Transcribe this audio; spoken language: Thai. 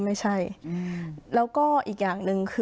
เพราะฉะนั้นทำไมถึงต้องทำภาพจำในโรงเรียนให้เหมือนกัน